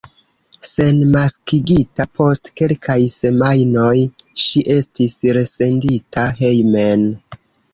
Senmaskigita post kelkaj semajnoj, ŝi estis resendita hejmen.